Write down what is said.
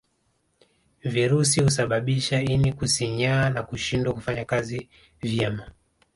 Virusi husababisha ini kusinyaa na kushindwa kufanya kazi vyema